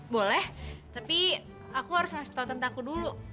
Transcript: boleh tapi aku harus ngasih tau tentang aku dulu